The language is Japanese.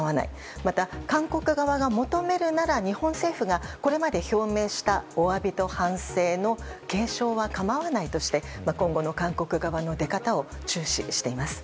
また、韓国側が求めるなら日本政府がこれまで表明したお詫びと反省の継承は構わないとして今後の韓国側の出方を注視しています。